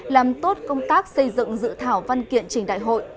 làm tốt công tác xây dựng dự thảo văn kiện trình đại hội